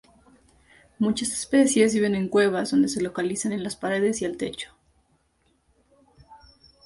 Muchas especies viven en cuevas, donde se localizan en las paredes y el techo.